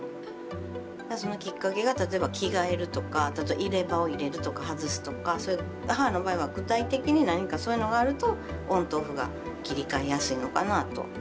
そのきっかけが例えば着替えるとか入れ歯を入れるとか外すとかそういう母の場合は具体的に何かそういうのがあるとオンとオフが切り替えやすいのかなと。